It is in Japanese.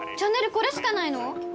これしかないの？